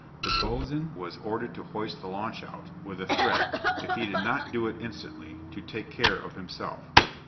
The boatswain was ordered to hoist the launch out, with a threat, if he did not do it instantly, to take care of himself.